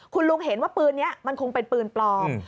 คุณลุงเห็นว่าปืนนี้มันคงเป็นปืนปลอม